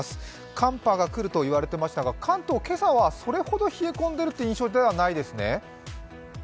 寒波が来ると言われていましたが関東、けさはそれほど冷え込んでいるという印象ではないですね。